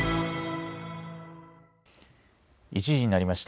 １時になりました。